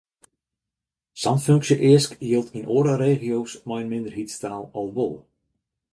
Sa’n funksje-eask jildt yn oare regio’s mei in minderheidstaal al wol.